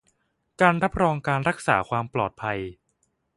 การรับรองการรักษาความปลอดภัย